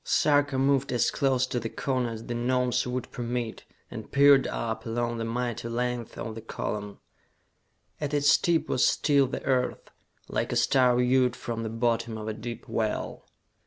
Sarka moved as close to the cone as the Gnomes would permit, and peered up along the mighty length of the column. At its tip was still the Earth, like a star viewed from the bottom of a deep well.